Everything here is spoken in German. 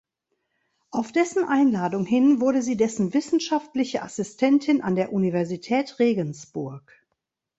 Auf dessen Einladung hin wurde sie dessen wissenschaftliche Assistentin an der Universität Regensburg.